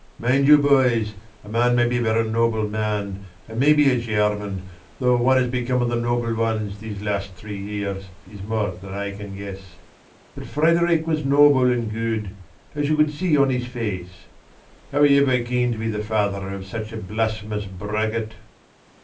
Mind you, boys, a man may be a very noble man and be a German though what has become of the noble ones these last three years is more than I can guess. But Frederick was noble and good, as you could see on his face. How he ever came to be the father of such a blasphemous braggart!"